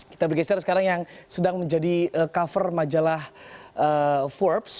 kita bergeser sekarang yang sedang menjadi cover majalah forbes